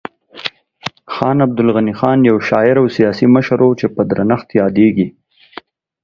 خان عبدالغني خان یو شاعر او سیاسي مشر و چې په درنښت یادیږي.